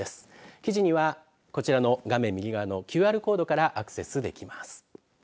記事には、こちらの画面右側のＱＲコードからアクセスできます。